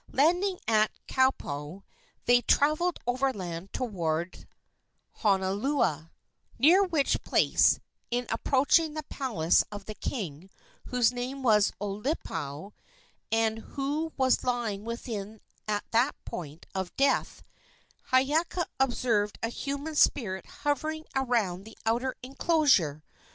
Landing at Kaupo, they traveled overland toward Honuaula, near which place, in approaching the palace of the king, whose name was Olepau, and who was lying within at the point of death, Hiiaka observed a human spirit hovering around the outer enclosure.